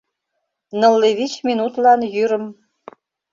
— «Нылле вич минутлан йӱрым».